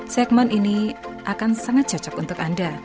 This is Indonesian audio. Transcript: segmen ini akan sangat cocok untuk anda